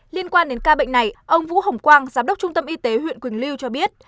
liên quan đến ca bệnh này ông vũ hồng quang giám đốc trung tâm y tế huyện quỳnh lưu cho biết